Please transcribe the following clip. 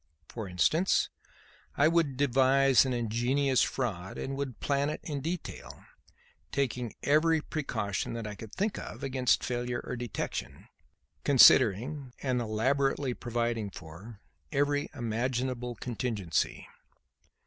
For instance, I would devise an ingenious fraud and would plan it in detail, taking every precaution that I could think of against failure or detection, considering, and elaborately providing for, every imaginable contingency.